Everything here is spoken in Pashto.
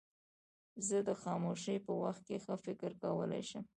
زه د خاموشۍ په وخت کې ښه فکر کولای شم.